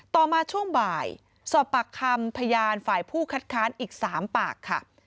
ต่อมาช่วงบ่ายสอบปากคำพยานฝ่ายผู้คัดค้านอีก๓ปากค่ะ